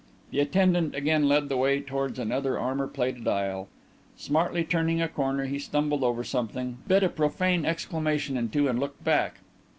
The attendant again led the way towards another armour plated aisle. Smartly turning a corner, he stumbled over something, bit a profane exclamation in two, and looked back.